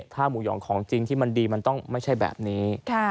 ถ้าหมูหยองของจริงที่มันดีมันต้องไม่ใช่แบบนี้